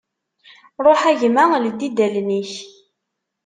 Ruḥ a gma ldi-d allen-ik.